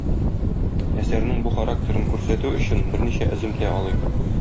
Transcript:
Әсәрнең бу характерын күрсәтү өчен берничә өземтә алыйк.